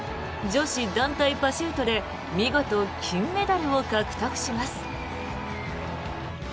女子団体パシュートで見事、金メダルを獲得します。